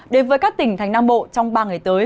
đến với các tỉnh thành nam bộ trong ba ngày tới